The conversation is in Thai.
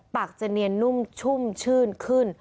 ปากจะเนียนนุ่มชุ่มชื่นขึ้น